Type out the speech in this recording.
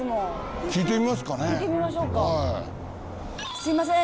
すいません。